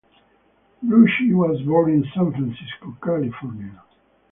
Bruschi was born in San Francisco, California.